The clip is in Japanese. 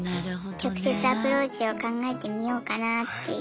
直接アプローチを考えてみようかなっていう。